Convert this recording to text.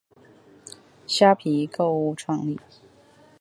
虾皮购物创立。